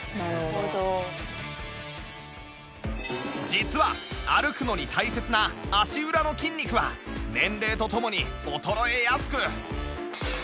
実は歩くのに大切な足裏の筋肉は年齢と共に衰えやすく